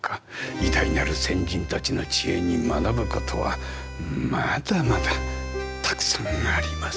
偉大なる先人たちの知恵に学ぶことはまだまだたくさんあります。